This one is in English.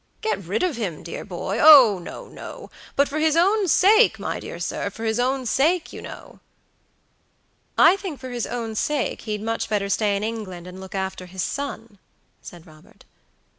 "Get rid of him, dear boy! Oh, no, no! But for his own sake, my dear sir, for his own sake, you know." "I think for his own sake he'd much better stay in England and look after his son," said Robert.